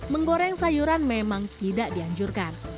menggoreng sayuran memang tidak dianjurkan